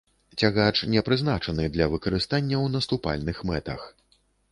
Цягач не прызначаны для выкарыстання ў наступальных мэтах.